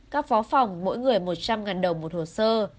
các phó phòng mỗi người một trăm linh đồng một hồ sơ